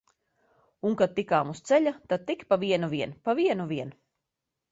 Un kad tikām uz ceļa, tad tik pa vienu vien, pa vienu vien!